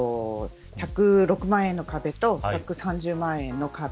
１０６万円の壁と１３０万円の壁